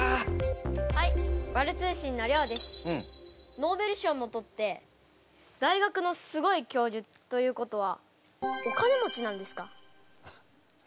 ノーベル賞もとって大学のすごい教授ということはお金持ちなんですか？